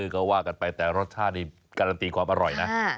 ก็ว่ากันไปแต่รสชาตินี่การันตีความอร่อยนะ